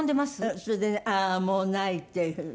それでね「ああーもうない」っていうふうにね。